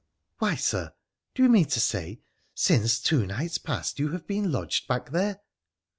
' Why, Sir ! Do you mean to say since two nights past you have been lodged back there